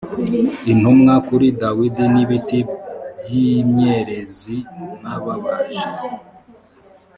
intumwa kuri dawidi n ibiti by imyerezi n ababaji